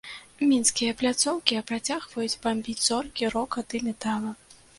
Мінскія пляцоўкі працягваюць бамбіць зоркі рока ды метала.